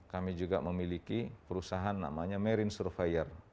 kami juga memiliki perusahaan namanya marine surveyor